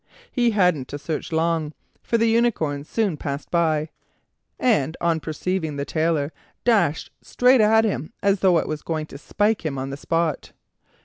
He hadn't to search long, for the unicorn soon passed by, and, on perceiving the Tailor, dashed straight at him as though it were going to spike him on the spot.